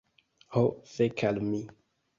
Ho fek' al mi